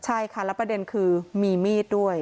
ใช่ค่ะแล้วประเด็นคือมีมีดด้วย